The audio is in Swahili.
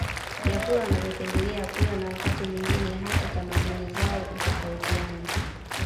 Vyakula wanavyopendelea kula na wakati mwingine hata tamaduni zao utofautiana